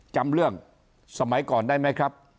จำเรื่องสมัยก่อนได้ไหมครับ